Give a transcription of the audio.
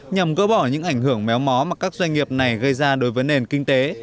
nhằm gỡ bỏ những ảnh hưởng méo mó mà các doanh nghiệp này gây ra đối với nền kinh tế